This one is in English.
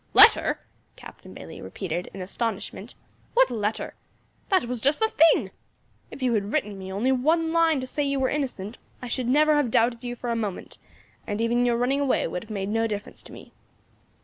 "Letter!" Captain Bayley repeated in astonishment, "what letter? That was just the thing, if you had written me only one line to say you were innocent I should never have doubted you for a moment, and even your running away would have made no difference to me."